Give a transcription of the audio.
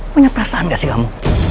punya perasaan gak sih kamu